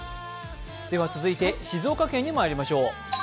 続いて静岡県にまいりましょう。